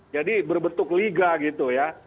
jadi berbentuk liga gitu ya